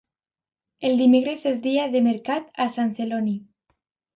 El dimecres és dia de mercat a Sant Celoni